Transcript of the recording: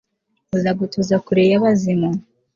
buzagutuza kure y'abazima